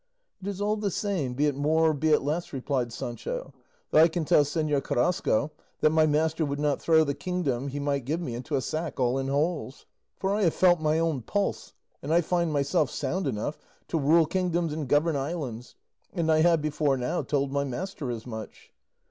"It is all the same, be it more or be it less," replied Sancho; "though I can tell Señor Carrasco that my master would not throw the kingdom he might give me into a sack all in holes; for I have felt my own pulse and I find myself sound enough to rule kingdoms and govern islands; and I have before now told my master as much."